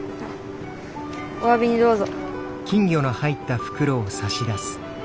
おわびにどうぞ。